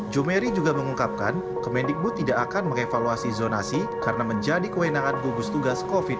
jumeri juga mengungkapkan kemendikbud tidak akan mengevaluasi zonasi karena menjadi kewenangan gugus tugas covid sembilan belas